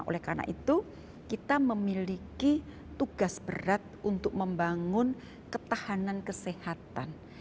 oleh karena itu kita memiliki tugas berat untuk membangun ketahanan kesehatan